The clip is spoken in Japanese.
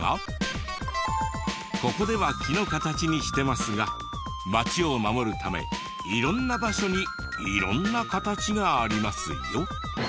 ここでは木の形にしてますが街を守るため色んな場所に色んな形がありますよ。